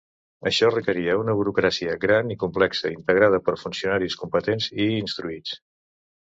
Això requeria una burocràcia gran i complexa integrada per funcionaris competents i instruïts.